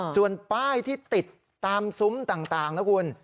ส่วนป้ายที่ติดตามซุ้มต่างนะคุณ